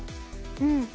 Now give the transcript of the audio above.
うん。